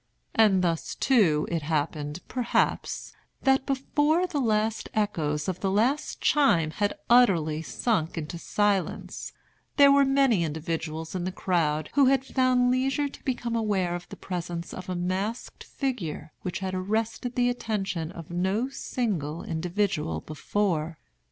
And thus, too, it happened, perhaps, that before the last echoes of the last chime had utterly sunk into silence, there were many individuals in the crowd who had found leisure to become aware of the presence of a masked figure which had arrested the attention of no single individual before.